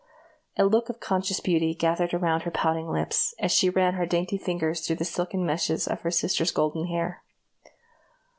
A look of conscious beauty gathered around her pouting lips, as she ran her dainty fingers through the silken meshes of her sister's golden hair.